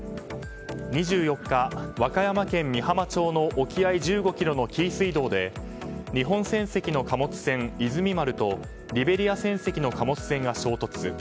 ２４日、和歌山県美浜町の沖合１５ｋｍの紀伊水道で紀伊水道で日本船籍の貨物船「いずみ丸」とリベリア船籍の貨物船が衝突。